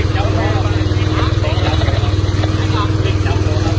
สวัสดีครับ